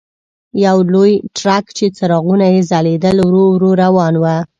یو لوی ټرک چې څراغونه یې ځلېدل ورو ورو روان و.